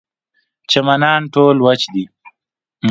چمنان ټول وچ دي.